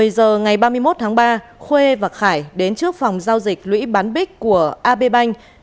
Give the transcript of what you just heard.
một mươi giờ ngày ba mươi một tháng ba khuê và khải đến trước phòng giao dịch lũy bán bích của ab bank